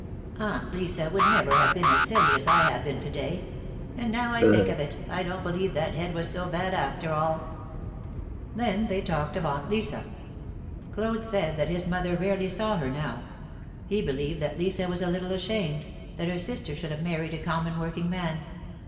Aunt Lisa would never have been as silly as I have been to day ; and now I think of it, I don't believe that head was so bad after all I " Then they talked of Aunt Lisa. Claude said that his mother rarely saw her now. He believed that Lisa was a little ashamed, that her sister should have married a com mon working man.